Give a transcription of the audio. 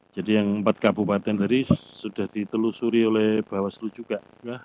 jadi yang empat kabupaten tadi sudah ditelusuri oleh bawaslu juga